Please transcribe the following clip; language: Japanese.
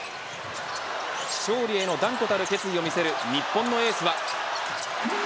勝利への断固たる決意を見せる日本のエースは。